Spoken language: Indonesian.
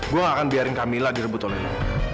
gue gak akan biarin camilla direbut oleh lo